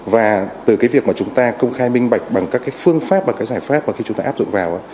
và từ cái việc mà chúng ta công khai minh bạch bằng các cái phương pháp và cái giải pháp mà khi chúng ta áp dụng vào